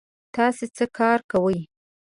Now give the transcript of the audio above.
تاسې څه کار کوی؟